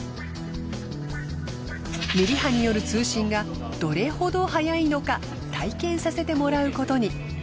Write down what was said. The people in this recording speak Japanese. ミリ波による通信がどれほど速いのか体験させてもらうことに。